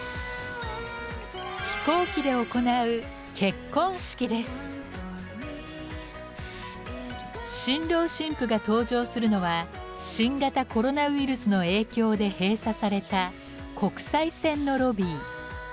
飛行機で行う新郎新婦が登場するのは新型コロナウイルスの影響で閉鎖された国際線のロビー。